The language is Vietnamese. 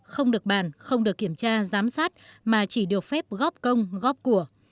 không được bàn không được kiểm tra giám sát mà chỉ được phép góp công góp của